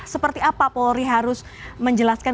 seperti apa polri harus menjelaskan